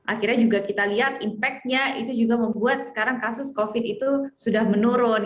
akhirnya juga kita lihat impact nya itu juga membuat sekarang kasus covid itu sudah menurun